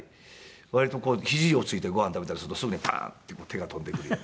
割と肘をついてご飯食べたりするとすぐにパーンって手が飛んでくるような。